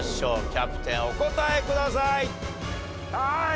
キャプテンお答えください。